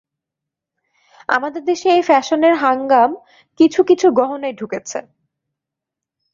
আমাদের দেশে এ ফ্যাশনের হাঙ্গাম কিছু কিছু গহনায় ঢুকছে।